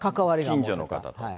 近所の方と。